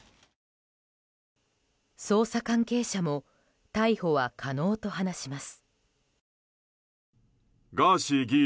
捜査関係者も逮捕は可能と話します。